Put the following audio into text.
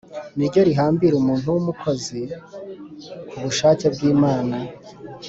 ni ryo rihambira umuntu w’umukozi ku bushake bw’imana